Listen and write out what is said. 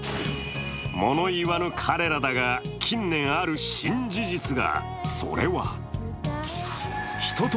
物言わぬ彼らだが、近年、ある新事実が。